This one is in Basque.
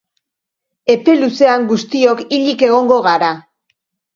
Epe luzean guztiok hilik egongo gara.